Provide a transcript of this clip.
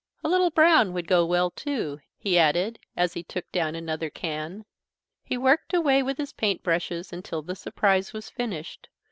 "A little brown would go well too," he added as he took down another can. He worked away with his paint brushes until the surprise was finished.